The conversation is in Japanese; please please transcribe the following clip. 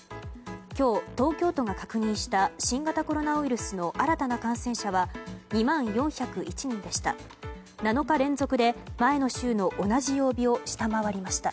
今日、東京都が確認した新型コロナウイルスの新たな感染者は２万４０１人でした。